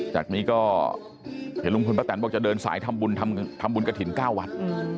จากนี้ก็เห็นลุงพลป้าแตนบอกจะเดินสายทำบุญทำบุญกระถิ่น๙วัด